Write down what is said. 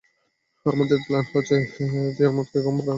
আমাদের প্ল্যান হচ্ছে তিয়ামুতকে ঘুম পাড়ানো, মারা নয়।